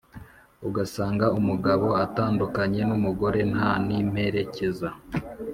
ugasanga umugabo atandukanye n’umugore nta n’imperekeza